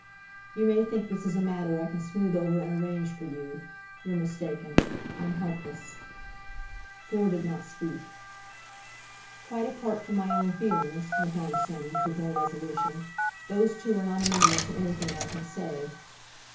"You may think this a matter I can smooth over and arrange for you. You're mistaken. I'm helpless." Fleur did not speak. "Quite apart from my own feelings," went on Soames with more resolution, "those two are not amenable to anything I can say.